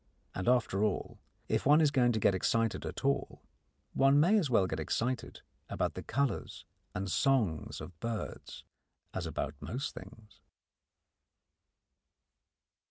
And after all, if one is going to get excited at all, one may as well get excited about the colours and songs of birds as about most things.